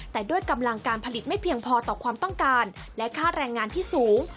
แต่ด้วยกำลังการผลิตไม่เพียงพอต่อความต้องการและค่าแรงงานที่สูง